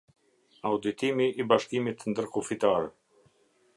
Auditimi i Bashkimit Ndërkufitar.